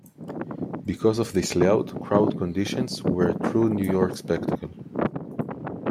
Because of this layout, crowd conditions were a true New York spectacle.